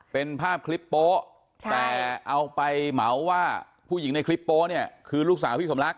เป็นภาพคลิปโป๊ะแต่เอาไปเหมาว่าผู้หญิงในคลิปโป๊ะเนี่ยคือลูกสาวพี่สมรัก